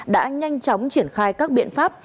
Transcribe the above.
đã nhanh chóng triển khai các biện pháp